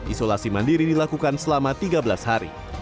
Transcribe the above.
isolasi mandiri dilakukan selama tiga belas hari